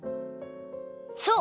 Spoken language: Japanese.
そう！